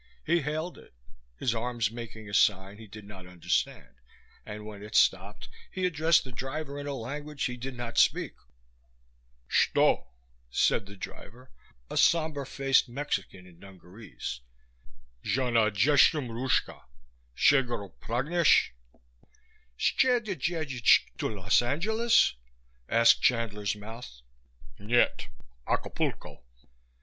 He hailed it, his arms making a sign he did not understand, and when it stopped he addressed the driver in a language he did not speak. "Shto," said the driver, a somber faced Mexican in dungarees. "Ja nie jestem Ruska. Czego pragniesh?" "Czy ty jedziesz to Los Angeles?" asked Chandler's mouth. "_Nyet. Acapulco.